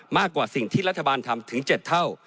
มากกว่าสิ่งที่รัฐบาลทำถึง๗เท่า